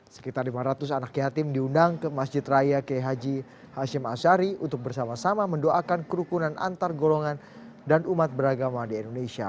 sekitar lima ratus anak yatim diundang ke masjid raya k h hashim ashari untuk bersama sama mendoakan kerukunan antar golongan dan umat beragama di indonesia